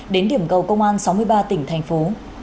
đến điểm cầu công an sáu mươi ba tỉnh thành phố